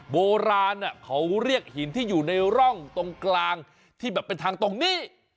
โบราณเขาเรียกหินที่อยู่ในร่องตรงกลางที่แบบเป็นทางตรงนี้